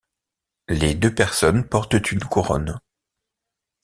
Les deux personnes portent une couronne.